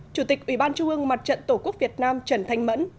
chủ tịch ủy ban trung ương mặt trận tổ quốc việt nam trần thanh mẫn